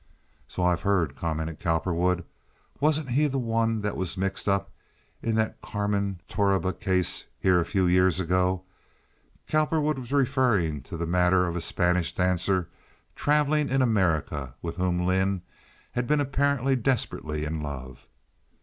"So I've heard," commented Cowperwood. "Wasn't he the one that was mixed up in that Carmen Torriba case here a few years ago?" Cowperwood was referring to the matter of a Spanish dancer traveling in America with whom Lynde had been apparently desperately in love.